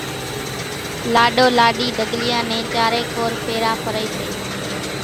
لاڏو لاڏِي ڍڳليان نين چارين ڪور چار ڦيرا ڦري سي۔